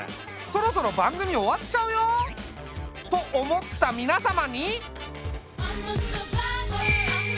そろそろ番組終わっちゃうよ。と思った皆様に！